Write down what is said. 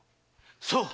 そう。